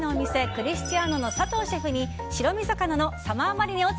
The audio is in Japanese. クリスチアノの佐藤シェフに白身魚のサマーマリネを